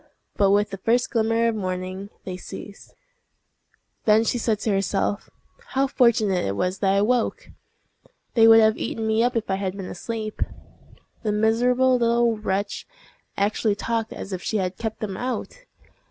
But with the first glimmer of morning they ceased. Then she said to herself, "How fortunate it was that I woke! They would have eaten me up if I had been asleep." The miserable little wretch actually talked as if she had kept them out!